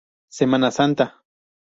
Semana Santa.